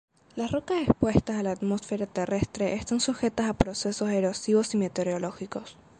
Las rocas expuestas a la atmósfera terrestre están sujetas a procesos erosivos y meteorológicos.